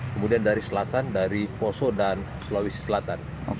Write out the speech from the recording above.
kemudian dari selatan dari poso dan sulawesi selatan